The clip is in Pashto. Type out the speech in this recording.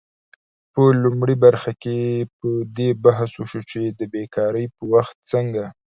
په لومړۍ برخه کې په دې بحث وشو چې د بیکارۍ په وخت څنګه